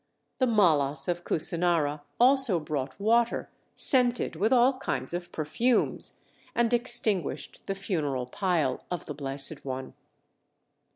The Mallas of Kusinara also brought water scented with all kinds of perfumes, and extinguished the funeral pile of the Blessed One.